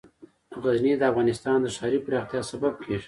غزني د افغانستان د ښاري پراختیا سبب کېږي.